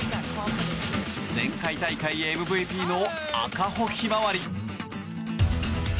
前回大会ＭＶＰの赤穂ひまわり。